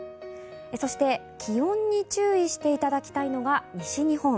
そして、気温に注意していただきたいのが西日本。